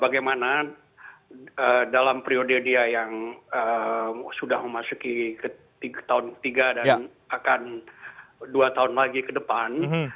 bagaimana dalam periode dia yang sudah memasuki tahun ketiga dan akan dua tahun lagi ke depan